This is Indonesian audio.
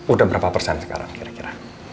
udah berapa persen sekarang kira kira